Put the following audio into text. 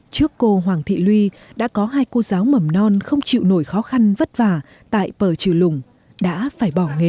trước cô hoàng thị luy đã có hai cô giáo mầm non không chịu nổi khó khăn vất vả tại pờ trừ lùng đã phải bỏ nghề